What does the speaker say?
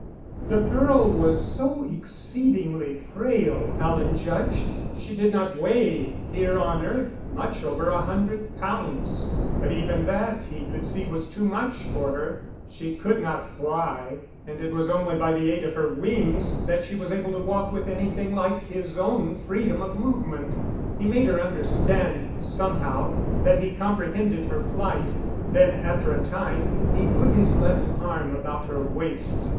The girl was so exceedingly frail Alan judged she did not weigh, here on earth, much over a hundred pounds. But even that he could see was too much for her. She could not fly, and it was only by the aid of her wings that she was able to walk with anything like his own freedom of movement. He made her understand, somehow, that he comprehended her plight. Then, after a time, he put his left arm about her waist.